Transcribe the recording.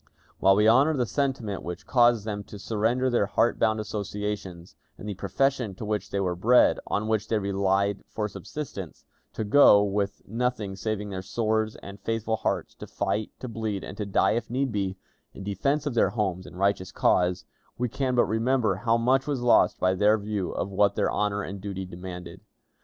While we honor the sentiment which caused them to surrender their heart bound associations, and the profession to which they were bred, on which they relied for subsistence, to go, with nothing save their swords and faithful hearts, to fight, to bleed, and to die if need be, in defense of their homes and a righteous cause, we can but remember how much was lost by their view of what their honor and duty demanded.